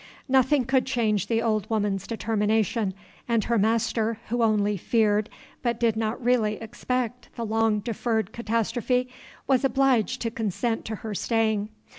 Nothing could change the old woman's determination; and her master, who only feared, but did not really expect the long deferred catastrophe, was obliged to consent to her staying.